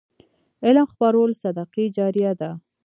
علم خپرول صدقه جاریه ده.